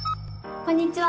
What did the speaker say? こんにちは。